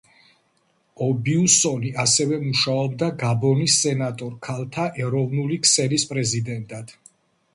ობიუსონი ასევე მუშაობდა გაბონის სენატორ ქალთა ეროვნული ქსელის პრეზიდენტად.